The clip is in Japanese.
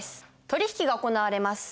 取引が行われます。